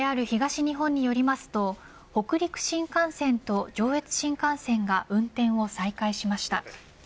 ＪＲ東日本によりますと北陸新幹線と上越新幹線が運転を再開しました。